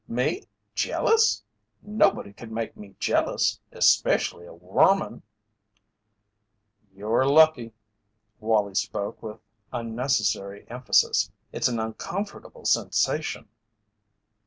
"Me jealous? Nobody could make me jealous, especially a worman." "You're lucky!" Wallie spoke with unnecessary emphasis. "It's an uncomfortable sensation."